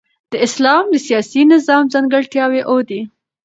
د اسلام د سیاسي نظام ځانګړتیاوي اووه دي.